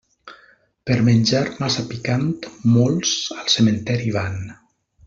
Per menjar massa picant, molts al cementeri van.